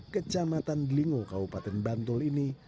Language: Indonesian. kecamatan dlingo kabupaten bantul ini